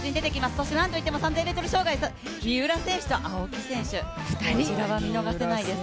そして何といっても３０００ｍ障害、三浦選手と青木選手、こちらは見逃せないです。